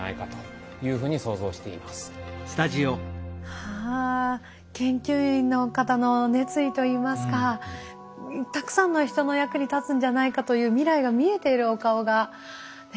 はあ研究員の方の熱意といいますかたくさんの人の役に立つんじゃないかという未来が見えているお顔がねワクワクしましたね。